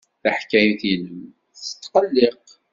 Taḥkayt-nnem tesqelliq.